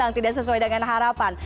yang tidak sesuai dengan harapan